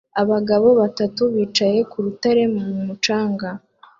Abagabo batatu bicaye ku rutare mu mucanga